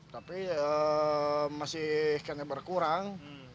tapi masih kena berkurang